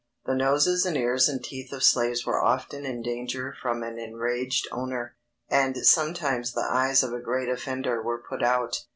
The noses and ears and teeth of slaves were often in danger from an enraged owner; and sometimes the eyes of a great offender were put out.